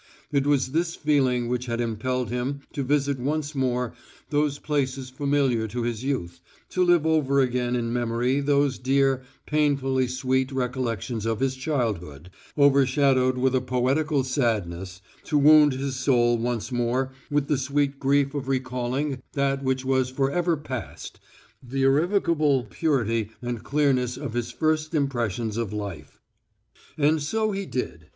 It was this feeling which had impelled him to visit once more those places familiar to his youth, to live over again in memory those dear, painfully sweet recollections of his childhood, overshadowed with a poetical sadness, to wound his soul once more with the sweet grief of recalling that which was for ever past the irrevocable purity and clearness of his first impressions of life. And so he did.